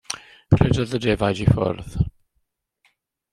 Rhedodd y defaid i ffwrdd.